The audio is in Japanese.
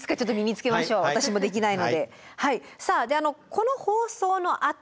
この放送のあと